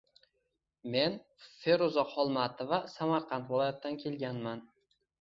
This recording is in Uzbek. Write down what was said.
Men Feruza Xolmatova Samarqand viloyatidan kelganman.